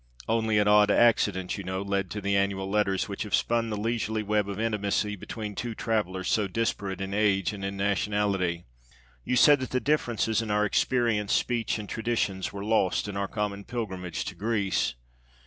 Only an odd accident, you know, led to the annual letters which have spun the leisurely web of intimacy between two travelers so disparate in age and in nationality. You said that the differences in our experience, speech and traditions were lost in our common pilgrimage to Greece.